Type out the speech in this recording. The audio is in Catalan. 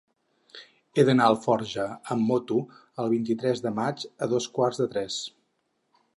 He d'anar a Alforja amb moto el vint-i-tres de maig a dos quarts de tres.